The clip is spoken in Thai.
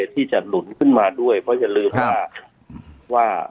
ที่จะหนุนขึ้นมาด้วยเพราะอย่าลืมว่าว่า